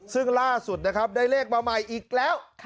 ซึ่งล่าสุดนะครับได้เลขมาใหม่อีกแล้ว